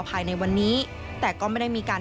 ภายในวันนี้แต่ก็ไม่ได้มีการ